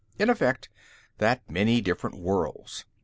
In effect, that many different worlds.